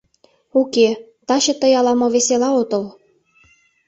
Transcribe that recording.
— Уке, таче тый ала-мо весела отыл.